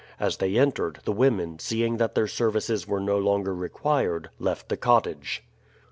As they entered, the women, seeing that their services were no longer required, left the cottage.